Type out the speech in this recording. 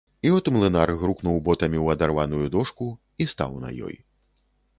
І от млынар грукнуў ботамі ў адарваную дошку і стаў на ёй.